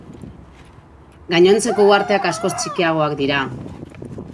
Gainontzeko uharteak askoz txikiagoak dira.